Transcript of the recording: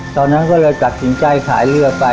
ตอนนั้นก็เลยตัดสินใจขายเรือไป